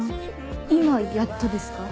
今やっとですか？